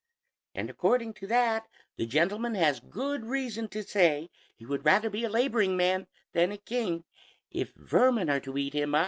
And according to that, the gentleman has good reason to say he would rather be a laboring man than a king, if vermin are to eat him."